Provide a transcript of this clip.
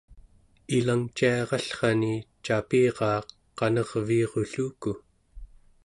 ilangciarallrani capiraa qanerviirulluku